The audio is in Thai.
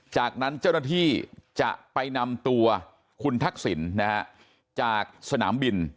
จากนั้นเจ้าหน้าที่จะไปนำตัวคุณทักษิณจากสนามบิน